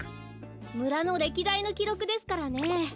むらのれきだいのきろくですからね。